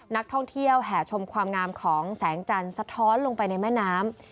นักท่องเที่ยวแห่ชมความงามของแสงจันทร์สะท้อนลงไปในแม่น้ำ